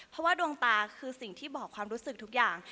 เพราะว่าดวงตาคือสิ่งที่บอกความรู้สึกทุกอย่าง